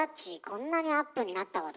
こんなにアップになったことある？